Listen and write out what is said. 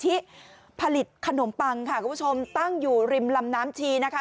ที่ผลิตขนมปังค่ะคุณผู้ชมตั้งอยู่ริมลำน้ำชีนะคะ